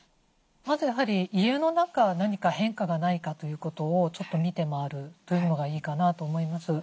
まずやはり家の中何か変化がないかということをちょっと見て回るというのがいいかなと思います。